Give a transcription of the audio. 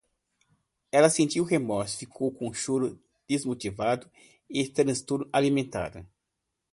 Ela sentiu remorso, ficou com choro desmotivado e transtorno alimentar